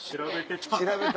調べてた？